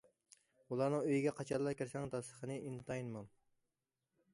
ئۇلارنىڭ ئۆيىگە قاچانلا كىرسەڭ داستىخىنى ئىنتايىن مول.